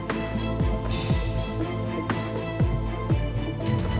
ที่จะมาร่วมที่จะเป็นครั้งนี้